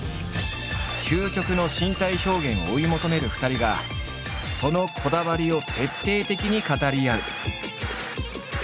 究極の身体表現を追い求める２人がそのこだわりを徹底的に語り合う。